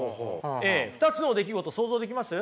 ２つの出来事想像できます？